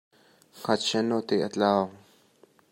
Ngakchia nute a tlau.